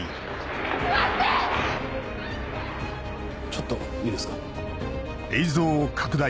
ちょっといいですか？